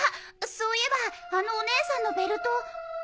そういえばあのお姉さんのベルト。